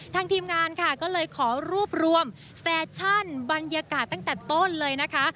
ทีมงานค่ะก็เลยขอรวบรวมแฟชั่นบรรยากาศตั้งแต่ต้นเลยนะคะ